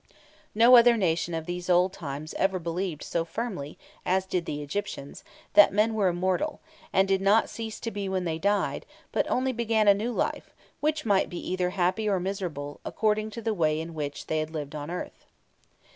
No other nation of these old times ever believed so firmly as did the Egyptians that men were immortal, and did not cease to be when they died, but only began a new life, which might be either happy or miserable, according to the way in which they had lived on earth.